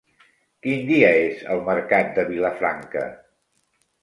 Quin dia és el mercat de Vilafranca?